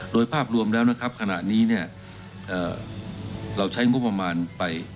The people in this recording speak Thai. โดยภาพรวมแล้วขณะนี้เราใช้งบประมาณไป